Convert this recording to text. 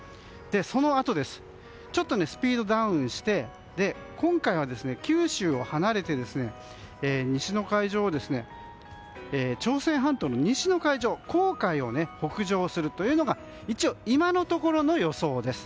そのあと、スピードがダウンして今回は九州を離れて朝鮮半島の西の海上黄海を北上するというのが今のところの予想です。